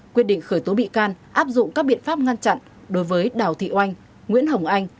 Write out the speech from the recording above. quyết định khởi tố bị can áp dụng các biện pháp ngăn chặn đối với đào thị oanh nguyễn hồng anh